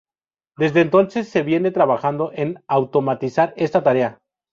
Desde entonces se viene trabajando en automatizar esta tarea.